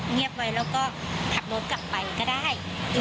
เงียบไว้แล้วก็ขับรถกลับไปก็ได้